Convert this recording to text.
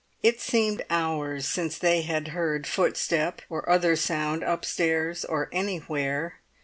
It seemed hours since they had heard footstep or other sound upstairs or anywhere.